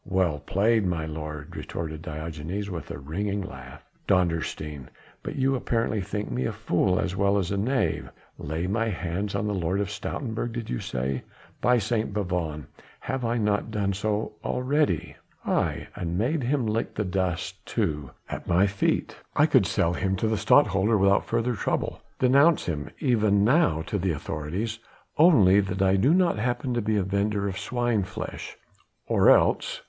"Well played, my lord," retorted Diogenes with a ringing laugh. "Dondersteen! but you apparently think me a fool as well as a knave. Lay my hands on the Lord of Stoutenburg did you say? By St. Bavon, have I not done so already? aye! and made him lick the dust, too, at my feet? I could sell him to the Stadtholder without further trouble denounce him even now to the authorities only that I do not happen to be a vendor of swine flesh or else...."